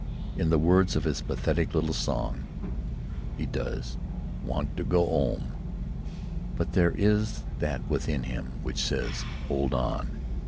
In the words of his pathetic little song, he does "want to go 'ome." But there is that within him which says, "Hold on!"